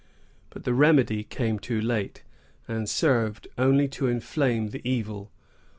But the remedy came too late, and served only to inflame the evil.